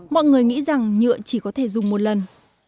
mọi người nghĩ rằng nhựa chỉ có thể dùng một lần